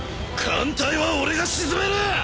艦隊は俺が沈める！